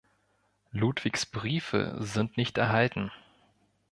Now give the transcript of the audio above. Ludwigs Briefe sind nicht erhalten.